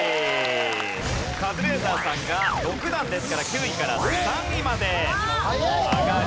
カズレーザーさんが６段ですから９位から３位まで上がります。